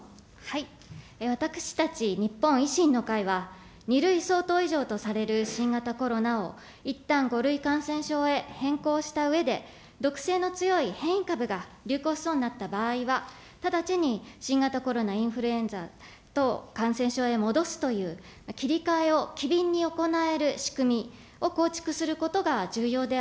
私たち日本維新の会は、２類相当以上とされる新型コロナをいったん５類感染症へ変更したうえで、毒性の強い変異株が流行しそうになった場合は、直ちに新型コロナインフルエンザ等感染症へ戻すという、切り替えを機敏に行える仕組みを構築することが重要で。